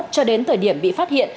cho đến thời điểm bị phát hiện